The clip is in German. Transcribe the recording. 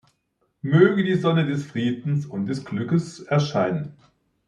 Möge die Sonne des Friedens und des Glückes erscheinen!